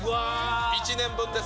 １年分です。